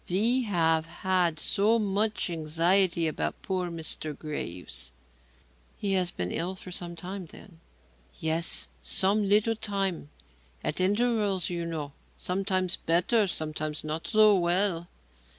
We have had so much anxiety about poor Mr. Graves." "He has been ill some time, then?" "Yes. Some little time. At intervals, you know. Sometimes better, sometimes not so well."